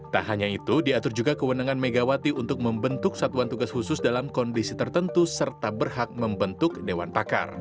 tak hanya itu diatur juga kewenangan megawati untuk membentuk satuan tugas khusus dalam kondisi tertentu serta berhak membentuk dewan pakar